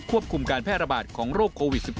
คุมการแพร่ระบาดของโรคโควิด๑๙